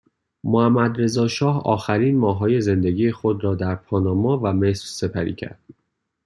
محمدرضا شاه آخرین ماههای زندگی خود را در پاناما و مصر سپری کرد